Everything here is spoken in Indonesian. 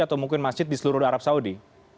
atau mungkin masjid di seluruh arab saudi